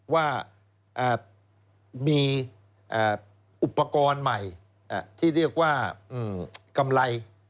ว่ามีอุปกรณ์ใหม่ที่เรียกว่ากำไร